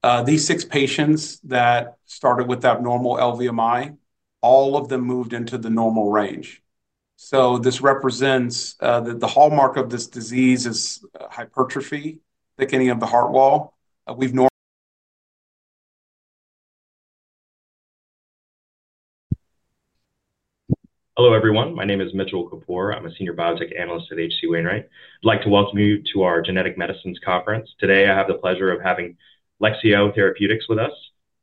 Hello, everyone. My name is Mitchell Kapoor. I'm a Senior Biotech Analyst at H.C. Wainwright. I'd like to welcome you to our Genetic Medicines Conference. Today I have the pleasure of having Lexeo Therapeutics with us.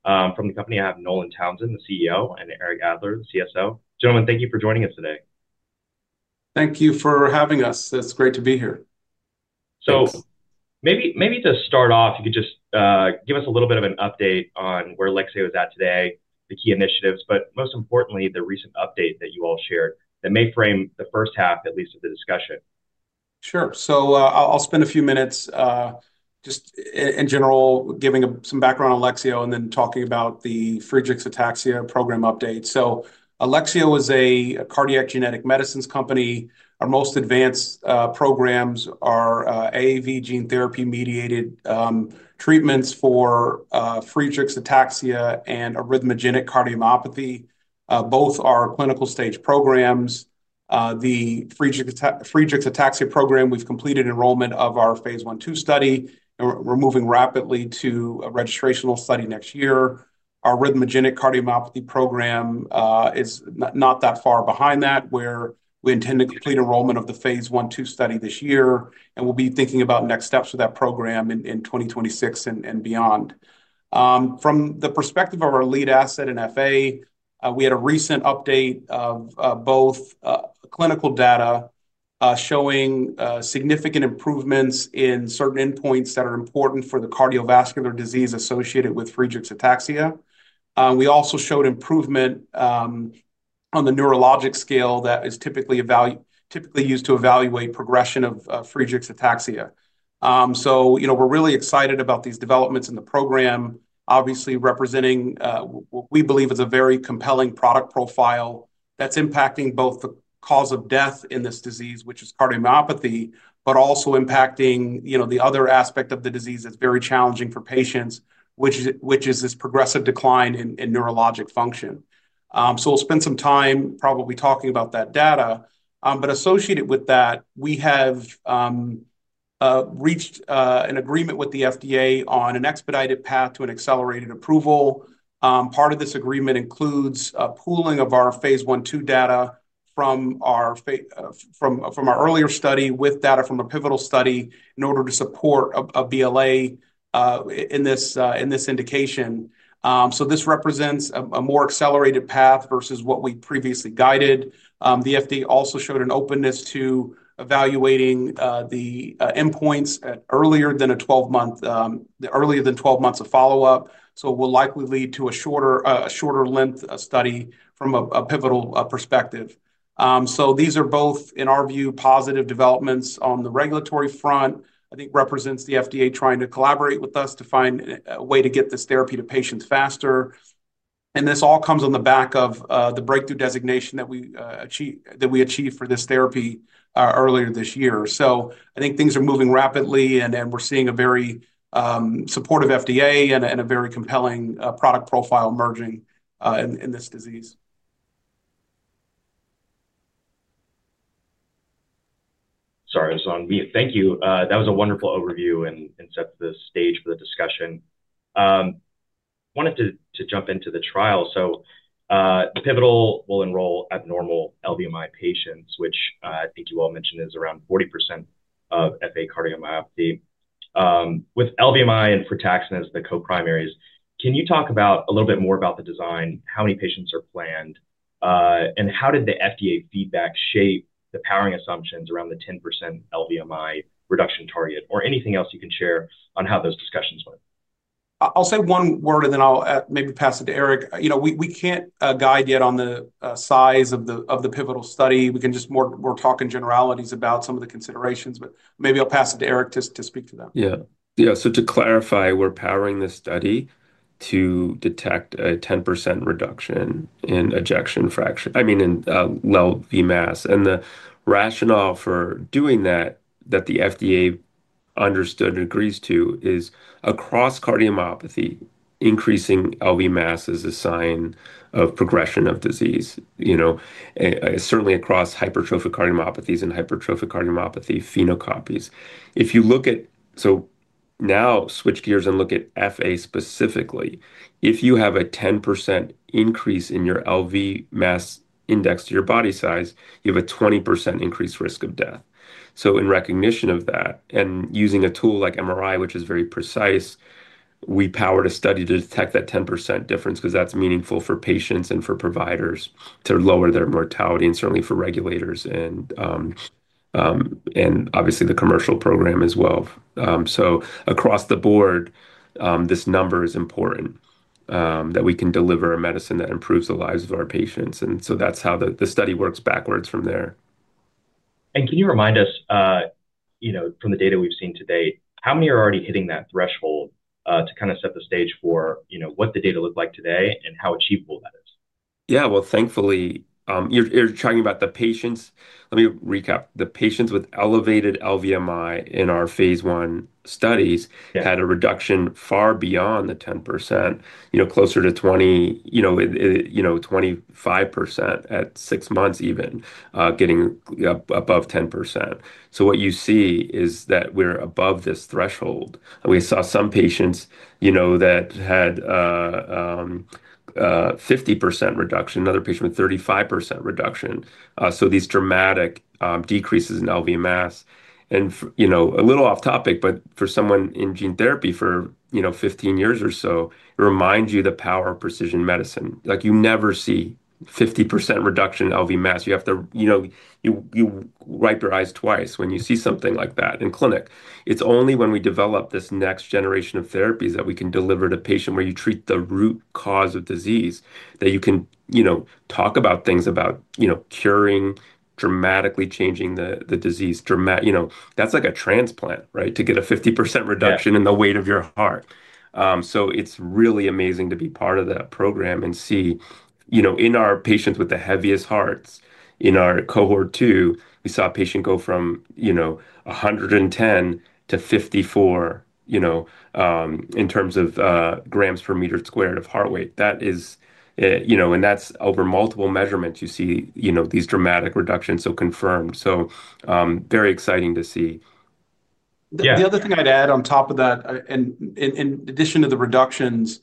From the company, I have R. Nolan Townsend, the CEO, and Dr. Eric Adler, the CSO. Gentlemen, thank you for joining us today. Thank you for having us. It's great to be here. Maybe to start off, you could just give us a little bit of an update on where Lexeo is at today, the key initiatives, but most importantly, the recent update that you all shared that may frame the first half at least of the discussion. Sure. I'll spend a few minutes, just in general, giving some background on Lexeo and then talking about the Friedreich's ataxia program update. Lexeo is a cardiac genetic medicines company. Our most advanced programs are AAV gene therapy mediated drug treatments for Friedreich's ataxia and arrhythmogenic cardiomyopathy. Both are clinical stage programs. The Friedreich's ataxia program, we've completed enrollment of our Phase 1/2 study and we're moving rapidly to a registrational study next year. Our arrhythmogenic cardiomyopathy program is not that far behind that, where we intend to complete enrollment of the Phase 1/2 study this year. We'll be thinking about next steps for that program in 2026 and beyond. From the perspective of our lead asset in FA, we had a recent update of both clinical data showing significant improvements in certain endpoints that are important for the cardiovascular disease associated with Friedreich's ataxia. We also showed improvement on the neurologic scale that is typically used to evaluate progression of Friedreich's ataxia. We're really excited about these developments in the program, obviously representing what we believe is a very compelling product profile that's impacting both the cause of death in this disease, which is cardiomyopathy, but also impacting the other aspect of the disease that's very challenging for patients, which is this progressive decline in neurologic function. We'll spend some time probably talking about that data. Associated with that, we have reached an agreement with the FDA on an expedited path to an accelerated approval. Part of this agreement includes pooling of our Phase 1/2 data. From our earlier. Study with data from a pivotal study in order to support a BLA in this indication. This represents a more accelerated path versus what we previously guided. The FDA also showed an openness to evaluating the endpoints earlier than 12 months of follow up, which will likely lead to a shorter length study from a pivotal perspective. These are both, in our view, positive developments on the regulatory front. I think it represents the FDA trying to collaborate with us to find a way to get this therapy to patients faster. This all comes on the back of the breakthrough therapy designation that we achieved for this therapy earlier this year. I think things are moving rapidly and we're seeing a very supportive FDA and a very compelling product profile emerging in this disease. Sorry, I was on mute. Thank you. That was a wonderful overview and set the stage for the discussion. I wanted to jump into the trial. Pivotal will enroll abnormal LVMI patients, which I think you all mentioned is around 40% of FA cardiomyopathy with LVMI and Fritaxon as the co-primaries. Can you talk a little bit more about the design, how many patients are planned, and how did the FDA feedback shape the powering assumptions around the 10% LVMI reduction target or anything else you can share on how those discussions went? I'll say one word and then I'll maybe pass it to Eric. We can't guide yet on the size of the pivotal study. We can just more talk in generalities about some of the considerations. Maybe I'll pass it to Eric just to speak to that. Yeah, yeah. To clarify, we're powering this study to detect a 10% reduction in ejection fraction—I mean in LV mass. The rationale for doing that, that the FDA understood and agrees to, is across cardiomyopathy, increasing LV mass is a sign of progression of disease, certainly across hypertrophic cardiomyopathies and hypertrophic cardiomyopathy phenocopies. If you look at—now switch gears and look at FA specifically—if you have a 10% increase in your LV mass indexed to your body size, you have a 20% increased risk of death. In recognition of that, and using a tool like MRI, which is very precise, we powered a study to detect that 10% difference because that's meaningful for patients and for providers to lower their mortality and certainly for regulators and obviously the commercial program as well. Across the board, this number is important that we can deliver a medicine that improves the lives of our patients. That's how the study works backwards from there. Can you remind us from the data we've seen today how many are already hitting that threshold to kind of set the stage for what the data look like today and how achievable that is? Thankfully you're talking about the patients. Let me recap. The patients with elevated LVMI in our Phase 1 studies had a reduction far beyond the 10%, closer to 20%, 25% at six months, even getting above 10%. What you see is that we're above this threshold. We saw some patients that had 50% reduction, another patient with 35% reduction. These dramatic decreases in LV mass and, a little off topic, but for someone in gene therapy for 15 years or so, it reminds you the power of precision medicine. You never see 50% reduction in LV mass. You have to, you wipe your eyes twice when you see something like that in clinic. It's only when we develop this next generation of therapies that we can deliver to patient where you treat the root cause of disease that you can talk about things, about curing, dramatically changing the disease. Dramatic. That's like a transplant, right, to get a 50% reduction in the weight of your heart. It's really amazing to be part of that program and see, in our patients with the heaviest hearts in our Cohort 2, we saw a patient go from 110 to 54, in terms of grams per meter squared of heart rate, that is, and that's over multiple measurements, you see these dramatic reductions. Confirmed. Very exciting to see. The other thing I'd add on top of that, in addition to the reductions,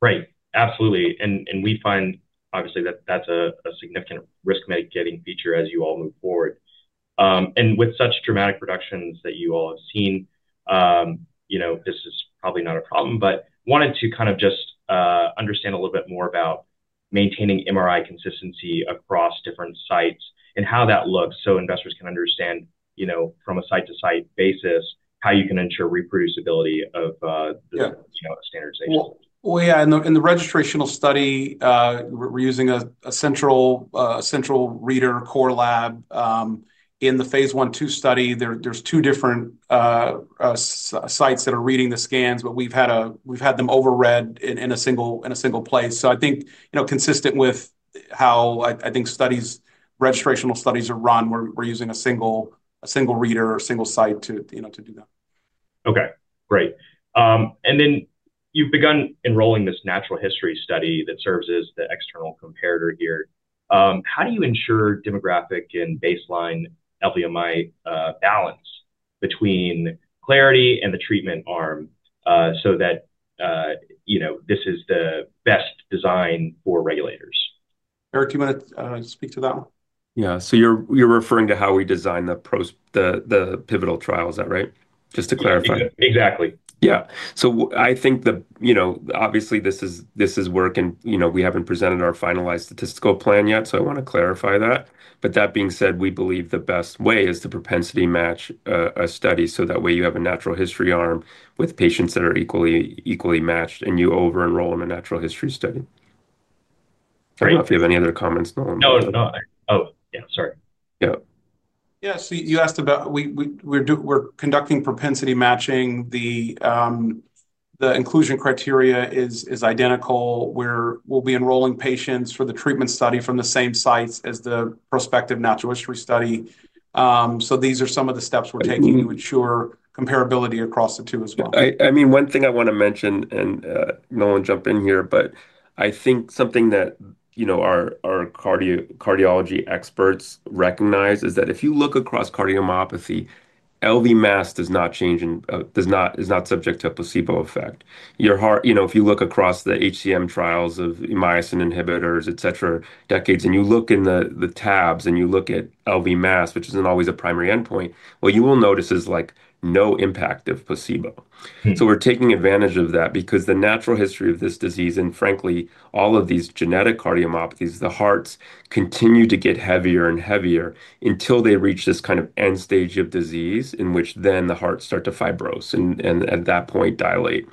Right, absolutely. We find obviously that that's a significant risk mitigating feature as you all move forward, and with such dramatic reductions that you all have seen, this is probably not a problem. I wanted to kind of just understand a little bit more about maintaining MRI consistency across different sites and how that looks so investors can understand, you know, from a site to site basis, how you can ensure reproducibility of standardization. In the registrational study, we're using a central reader core lab. In the Phase 1/2 study, there's two different sites that are reading the scans, but we've had them over read in a single place. I think consistent with how I think studies, registration studies are run, we're using a single reader or single site to do that. Okay, great. You've begun enrolling this natural history study that serves as the external comparator here. How do you ensure demographic and baseline LVMI balance between clarity and the treatment arm so that this is the best design for regulators? Eric, do you want to speak to that one? You're referring to how we design the pivotal trial, is that right? Just to clarify. Exactly. Yeah. I think, you know, obviously, this is. This. This is work. We haven't presented our finalized statistical plan yet, so I want to clarify that. That being said, we believe the best way is to propensity match a study. That way you have a natural history arm with patients that are equally, equally matched, and you over enroll in a natural history study. I don't know if you have any other comments, Nolan. Oh, yeah, sorry. Yeah, yeah. We're conducting propensity matching. The inclusion criteria is identical. We'll be enrolling patients for the treatment study from the same sites as the prospective natural history study. These are some of the steps we're taking to ensure comparability across the two as well. I mean, one thing I want to mention, and no one jump in here, but I think something that our cardiology experts recognize is that if you look across cardiomyopathy, LV mass does not change, is not subject to a placebo effect. Your heart, you know, if you look across the HCM trials of myosin inhibitors, et cetera, decades, and you look in the tabs and you look at LV mass, which isn't always a primary endpoint, what you will notice is, like, no impact of placebo. We're taking advantage of that because the natural history of this disease and, frankly, all of these genetic cardiomyopathies, the hearts continue to get heavier and heavier until they reach this kind of end stage of disease in which then the hearts start to fibrose and at that point dilate.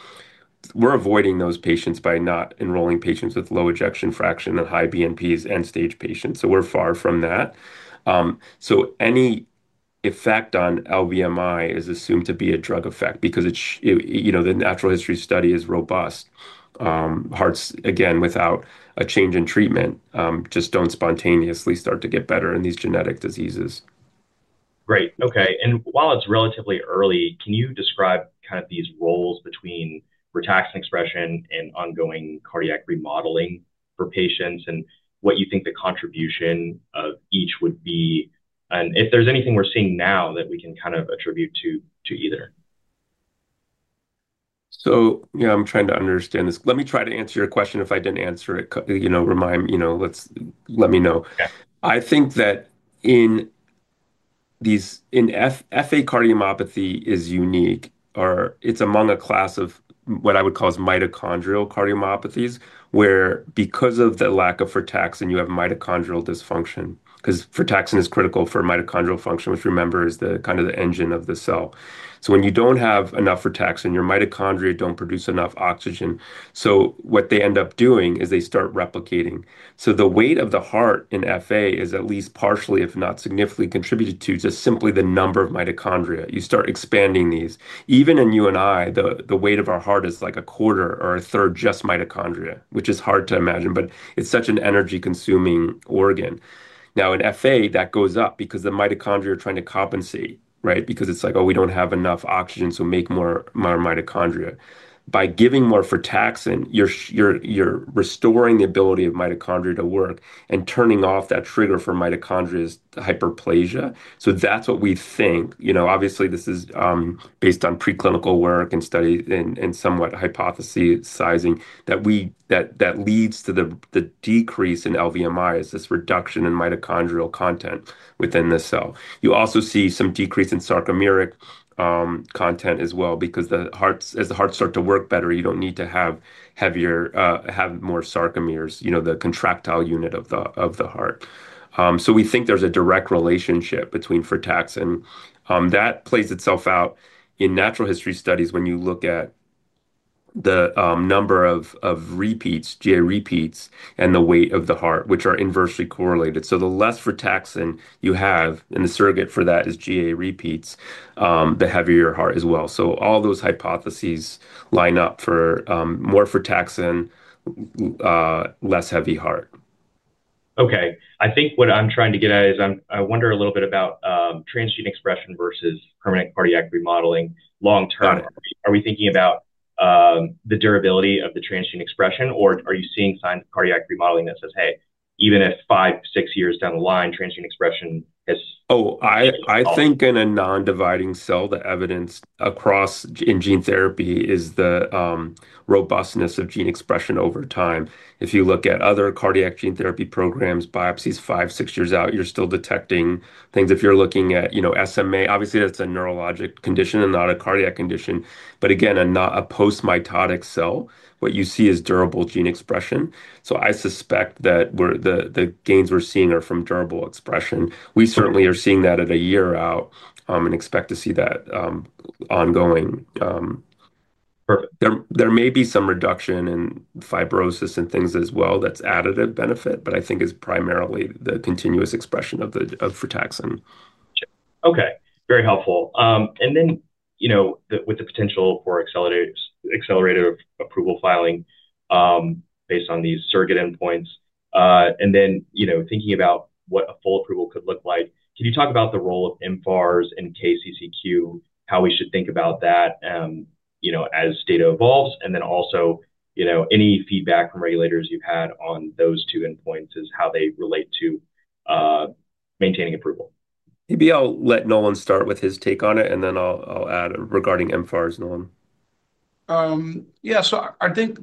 We're avoiding those patients by not enrolling patients with low ejection fraction and high BNP's, end stage patients. We're far from that. Any effect on LVMI is assumed to be a drug effect because, you know, the natural history study is robust. Hearts, again, without a change in treatment, just don't spontaneously start to get better in these genetic diseases. Great. Okay. While it's relatively early, can you describe kind of these roles between frataxin expression and ongoing cardiac remodeling for patients and what you think the contribution of each would be? If there's anything we're seeing now that we can kind of attribute to either. I'm trying to understand this. Let me try to answer your question. If I didn't answer it, let me know. I think that FA cardiomyopathy is unique. It's among a class of what I would call mitochondrial cardiomyopathies, where because of the lack of frataxin, you have mitochondrial dysfunction because frataxin is critical for mitochondrial function, which, remember, is the engine of the cell. When you don't have enough frataxin, your mitochondria don't produce enough oxygen. What they end up doing is they start replicating. The weight of the heart in FA is at least partially, if not significantly, contributed to just simply the number of mitochondria. You start expanding these even in you and I; the weight of our heart is like a quarter or a third just mitochondria, which is hard to imagine, but it's such an energy-consuming organ. In FA that goes up because the mitochondria are trying to compensate, right? It's like, oh, we don't have enough oxygen, so make more mitochondria. By giving more frataxin, you're restoring the ability of mitochondria to work and turning off that trigger for mitochondria's hyperplasia. That's what we think. Obviously, this is based on preclinical work and studies and somewhat hypothesizing that leads to the decrease in LVMI, is this reduction in mitochondrial content within the cell. You also see some decrease in sarcomere content as well because as the hearts start to work better, you don't need to have heavier, have more sarcomeres, you know, the contractile unit of the heart. We think there's a direct relationship between frataxin that plays itself out in natural history studies when you look at the number of repeats, GA repeats, and the weight of the heart, which are inversely correlated. The less frataxin you have, and the surrogate for that is GA repeats, the heavier your heart as well. All those hypotheses line up for more frataxin, less heavy heart. Okay, I think what I'm trying to get at is I wonder a little bit about transgene expression versus permanent cardiac remodeling long term. Are we thinking about the durability of the transgene expression, or are you seeing signs of cardiac remodeling that says, hey, even if five, six years down the line, transgene expression, I think. In a non-dividing cell, the evidence across in gene therapy is the robustness of gene expression over time. If you look at other cardiac gene therapy programs, biopsies, five, six years out, you're still detecting things. If you're looking at, you know, SMA, obviously that's a neurologic condition and not a cardiac condition, but again, not a post-mitotic cell. What you see is durable gene expression. I suspect that the gains we're seeing are from durable expression. We certainly are seeing that at a year out and expect to see that ongoing. There may be some reduction in fibrosis and things as well. That's additive benefit, but I think it's primarily the continuous expression of frataxin. Okay, very helpful. With the potential for accelerated approval filing based on these surrogate endpoints, thinking about what a full approval could look like, can you talk about the role of mFARS and KCCQ, how we should think about that as data evolves? Also, any feedback from regulators you've had on those two endpoints as they relate to maintaining approval. Maybe I'll let Nolan start with his take on it, and then I'll add regarding mFARS. Nolan. Yeah. I think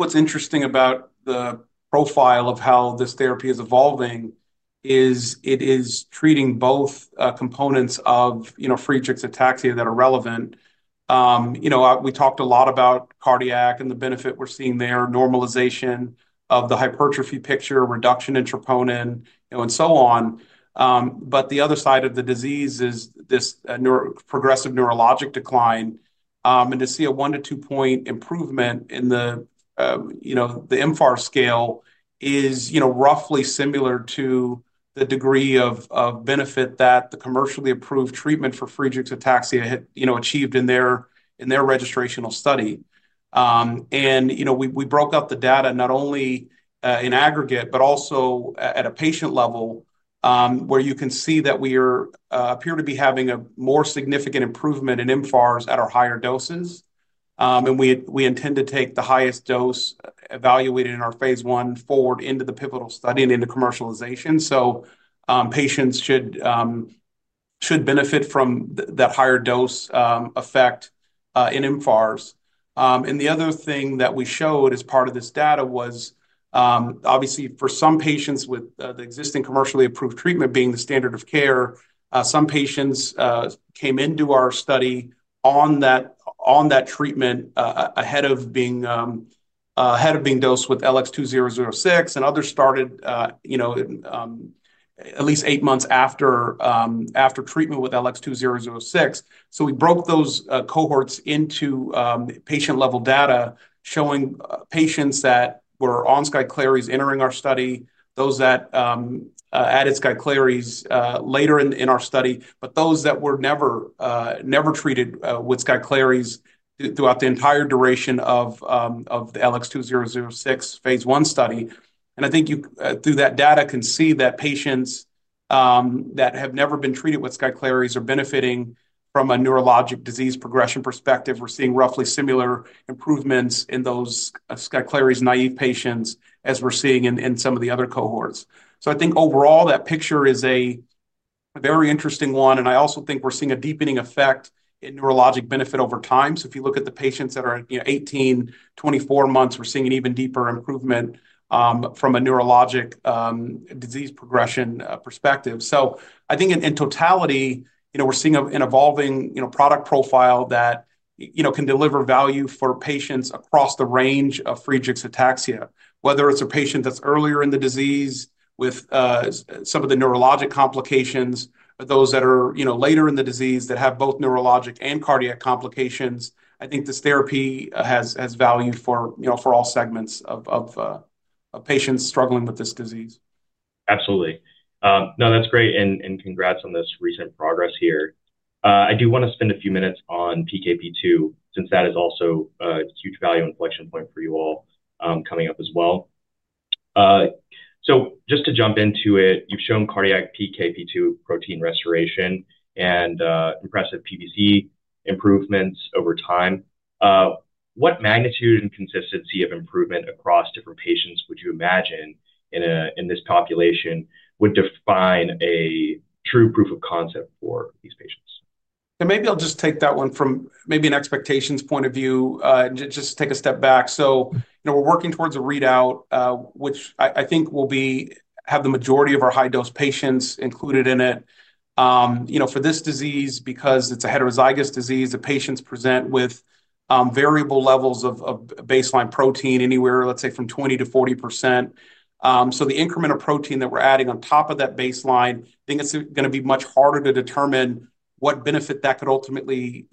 what's interesting about the profile of how this therapy is evolving is it is treating both components of Friedreich's ataxia that are relevant. We talked a lot about cardiac and the benefit we're seeing there, normalization of the hypertrophy picture, reduction in troponin and so on. The other side of the disease is this progressive neurologic decline. To see a 1 to 2 point improvement in the modified Friedreich’s Ataxia Rating Scale is roughly similar to the degree of benefit that the commercially approved treatment for Friedreich's ataxia achieved in their registrational study. We broke up the data not only in aggregate, but also at a patient level where you can see that we appear to be having a more significant improvement in mFARS at our higher doses. We intend to take the highest dose evaluated in our Phase 1 forward into the pivotal study and into commercialization. Patients should benefit from that higher dose effect in mFARS. The other thing that we showed as part of this data was obviously for some patients, with the existing commercially approved treatment being the standard of care, some patients came into our study on that treatment ahead of being dosed with LX2006 and others started at least eight months after treatment with LX2006. We broke those cohorts into patient level data showing patients that were on Skyclarys entering our study, those that added Skyclarys later in our study, but those that were never, never treated with Skyclarys throughout the entire duration of the LX2006 Phase 1 study. I think through that data you can see that patients that have never been treated with Skyclarys are benefiting from a neurologic disease progression perspective. We're seeing roughly similar improvements in those Skyclarys-naive patients as we're seeing in some of the other cohorts. I think overall that picture is a very interesting one. I also think we're seeing a deepening effect in neurologic benefit over time. If you look at the patients that are 18, 24 months, we're seeing an even deeper improvement from a neurologic disease progression perspective. I think in totality, we're seeing an evolving product profile that can deliver value for patients across the range of Friedreich's ataxia, whether it's a patient that's earlier in the disease with some of the neurologic complications, or those that are later in the disease that have both neurologic and cardiac complications. I think this therapy has value for all segments of patients struggling with this disease. Absolutely. That's great. Congrats on this recent progress here. I do want to spend a few minutes on PKP2 since that is also a huge value inflection point for you all coming up as well. Just to jump into it, you've shown cardiac PKP2 protein restoration and impressive PVC improvements over time. What magnitude and consistency of improvement across different patients would you imagine in this population would define a true proof of concept for these patients? I'll just take that one from maybe an expectations point of view. Just take a step back. We're working towards a readout which I think will have the majority of our high dose patients included in it for this disease. Because it's a heterozygous disease, the patients present with variable levels of baseline protein anywhere, let's say from 20% to 40%. The increment of protein that we're adding on top of that baseline, I think it's going to be much harder to determine what benefit that could ultimately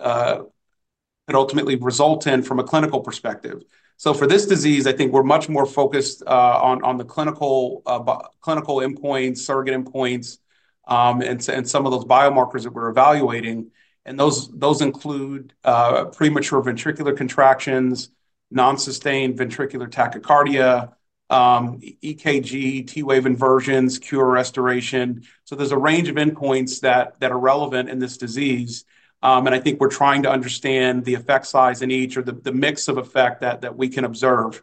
result in from a clinical perspective. For this disease, I think we're much more focused on the clinical endpoints, surrogate endpoints, and some of those biomarkers that we're evaluating, and those include premature ventricular contractions, non-sustained ventricular tachycardia, EKG, T wave inversions, QRS restoration. There's a range of endpoints that are relevant in this disease, and I think we're trying to understand the effect size in each or the mix of effect that we can observe.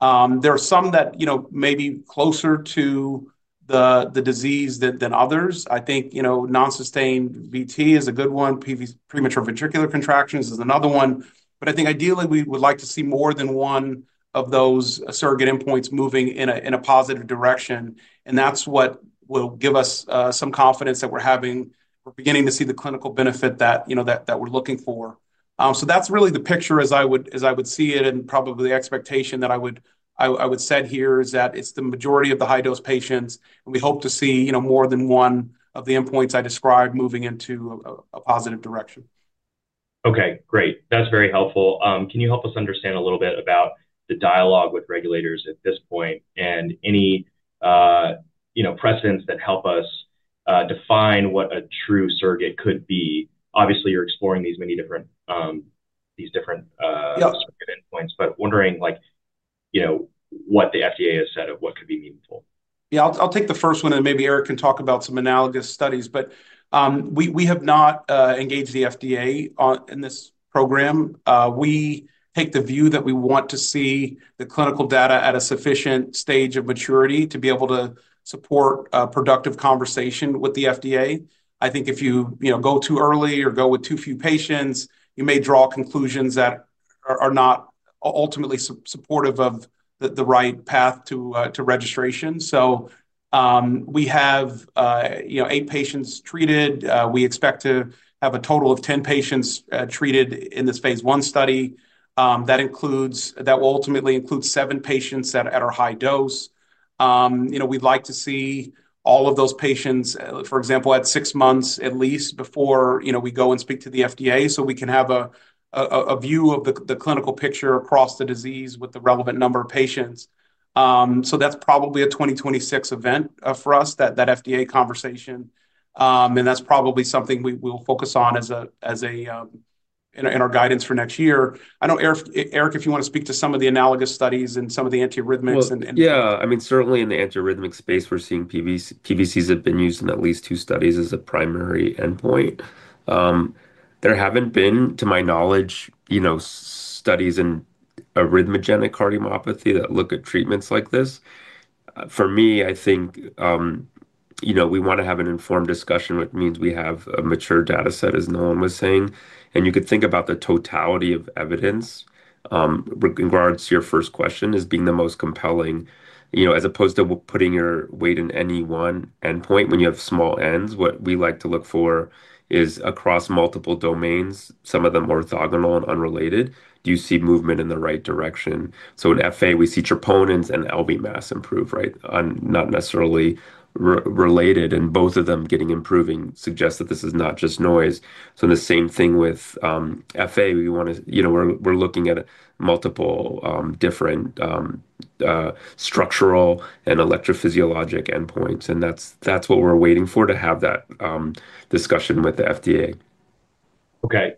There are some that may be closer to the disease than others. I think non-sustained VT is a good one. PVC, premature ventricular contractions, is another one. Ideally, we would like to see more than one of those surrogate endpoints moving in a positive direction. That's what will give us some confidence that we're beginning to see the clinical benefit that we're looking for. That's really the picture as I would see it, and probably the expectation that I would set here is that it's the majority of the high dose patients and we hope to see more than one of the endpoints I described moving into a positive direction. Okay, great. That's very helpful. Can you help us understand a little bit about the dialogue with regulators at this point and any precedents that help us define what a true surrogate could be? Obviously you're exploring these different endpoints, but wondering what the FDA has said of what could be meaningful. Yeah, I'll take the first one and maybe Eric can talk about some analogous studies. We have not engaged the FDA in this program. We take the view that we want to see the clinical data at a sufficient stage of maturity to be able to support productive conversation with the FDA. I think if you go too early or go with too few patients, you may draw conclusions that are not ultimately supportive of the right path to registration. We have eight patients treated. We expect to have a total of 10 patients treated in this Phase 1 study that will ultimately include seven patients at our high dose. We'd like to see all of those patients, for example, at six months at least, before we go and speak to the FDA so we can have a view of the clinical picture across the disease with the relevant number of patients. That's probably a 2026 event for us, that FDA conversation. That's probably something we will focus on in our guidance for next year. I know, Eric, if you want to speak to some of the analogous studies and some of the antiarrhythmics. Yeah, I mean, certainly in the antiarrhythmic space we're seeing PVCs have been used in at least two studies as a primary endpoint. There haven't been, to my knowledge, studies in arrhythmogenic cardiomyopathy that look at treatments like this. For me, I think we want to have an informed discussion, which means we have a mature data set, as Nolan was saying, and you could think about the totality of evidence in regards to your first question as being the most compelling, as opposed to putting your weight in any one endpoint when you have small ends. What we like to look for is across multiple domains, some of them orthogonal and unrelated. Do you see movement in the right direction? In FA we see troponins and LV mass improve, not necessarily related, and both of them improving suggests that this is not just noise. The same thing with FA, we're looking at multiple different structural and electrophysiologic endpoints. That's what we're waiting for to have that discussion with the FDA. Okay,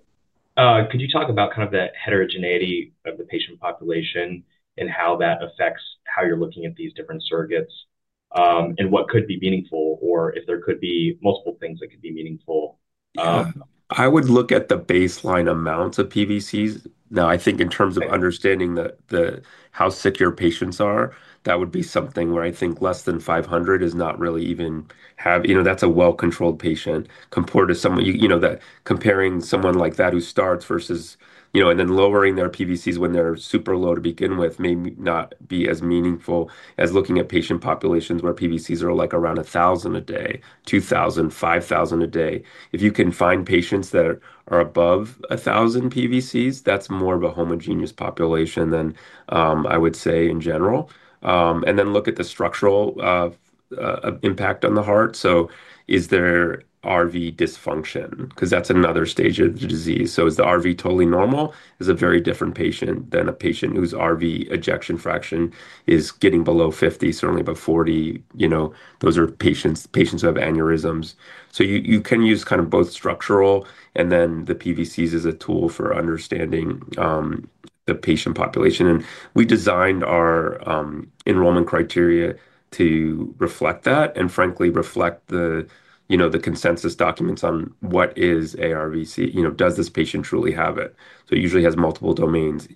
could you talk about kind of the heterogeneity of the patient population and how that affects how you're looking at these different surrogates and what could be meaningful or if there could be multiple things that could be meaningful? I would look at the baseline amounts of PVCs. Now, I think in terms of understanding how sick your patients are, that would be something where I think less than 500 is not really even, you know, that's a well-controlled patient compared to someone, you know, that comparing someone like that who starts versus, you know, and then lowering their PVCs when they're super low to begin with may not be as meaningful as looking at patient populations where PVCs are like around 1,000 a day, 2,000, 5,000 a day. If you can find patients that are above 1,000 PVCs, that's more of a homogeneous population than I would say in general. Then look at the structural impact on the heart. Is there RV dysfunction? Because that's another stage of the disease. Is the RV totally normal is a very different patient than a patient whose RV ejection fraction is getting below 50, certainly above 40. Those are patients who have aneurysms. You can use both structural and then the PVCs as a tool for understanding the patient population. We designed our enrollment criteria to reflect that and frankly reflect the consensus documents on what is ARVC. Does this patient truly have it? It usually has multiple domains.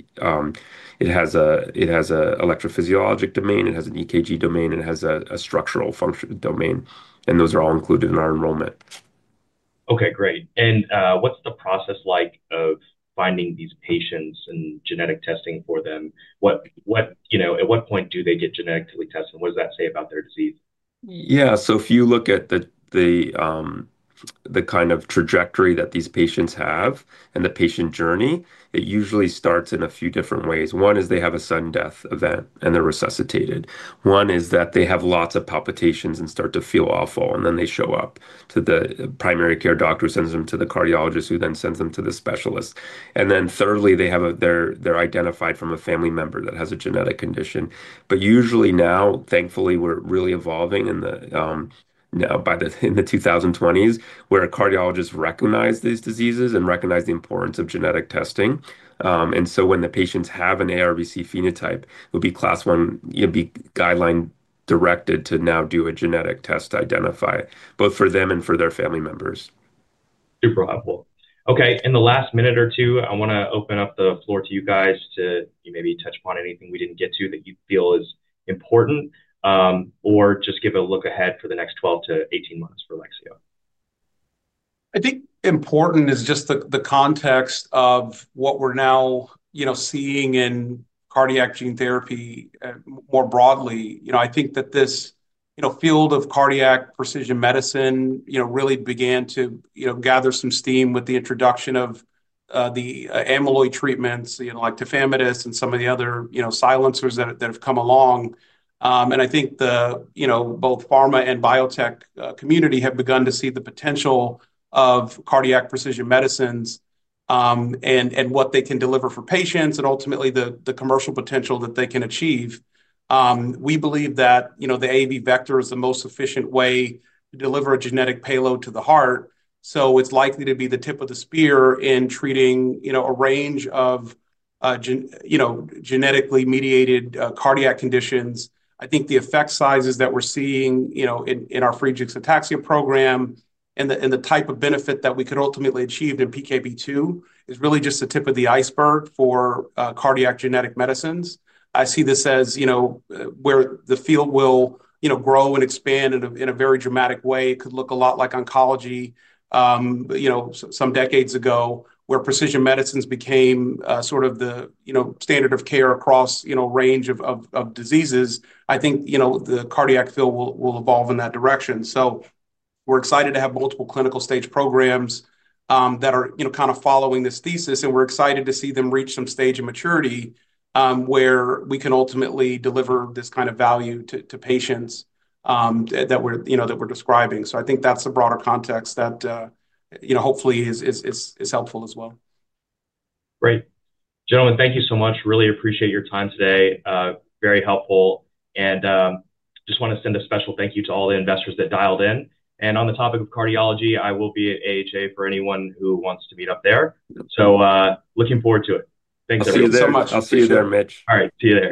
It has an electrophysiologic domain, it has an EKG domain, it has a structural function domain. Those are all included in our enrollment. Okay, great. What's the process like of finding these patients and genetic testing for them? At what point do they get genetically tested? What does that say about their disease? Yeah, so if you look at the kind of trajectory that these patients have and the patient journey, it usually starts in a few different ways. One is they have a sudden death event and they're resuscitated. One is that they have lots of palpitations and start to feel awful. Then they show up to the primary care doctor, who sends them to the cardiologist, who then sends them to the specialist. Thirdly, they're identified from a family member that has a genetic condition. Usually now, thankfully, we're really evolving in the now by the 2000s where cardiologists recognize these diseases and recognize the importance of genetic testing. When the patients have an ARBC phenotype, it'll be class one, you'll be classified guideline directed to now do a genetic test to identify both for them and for their family members. Super helpful. Okay. In the last minute or two, I want to open up the floor to you guys to maybe touch upon anything we didn't get to that you feel is important or just give a look ahead for the next 12 to 18 months. For Lexeo, I think important is just the context of what we're now seeing in cardiac gene therapy more broadly. I think that this field of cardiac precision medicine really began to gather some steam with the introduction of the amyloid treatments, like Tifamidis and some of the other silencers that have come along. I think both pharma and biotech community have begun to see the potential of cardiac precision medicines and what they can deliver for patients and ultimately the commercial potential that they can achieve. We believe that the AAV vector is the most efficient way to deliver a genetic payload to the heart. It's likely to be the tip of the spear in treating a range of genetically mediated cardiac conditions. I think the effect sizes that we're seeing in our Friedreich’s ataxia program and the type of benefit that we could ultimately achieve in the arrhythmogenic cardiomyopathy (PKP2) program is really just the tip of the iceberg for cardiac genetic medicines. I see this as where the field will grow and expand in a very dramatic way. It could look a lot like oncology some decades ago, where precision medicines became the standard of care across a range of diseases. I think the cardiac field will evolve in that direction. We're excited to have multiple clinical stage programs that are kind of following this thesis, and we're excited to see them reach some stage of maturity where we can ultimately deliver this kind of value to patients that we're describing. I think that's a broader context that hopefully is helpful as well. Great. Gentlemen, thank you so much. Really appreciate your time today. Very helpful. I just want to send a special thank you to all the investors that dialed in. On the topic of cardiology, I will be at AHA for anyone who wants to meet up there. Looking forward to it. Thanks so much. I'll see you there, Mitch. All right, see you there.